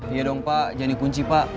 iya dong pak jangan dikunci pak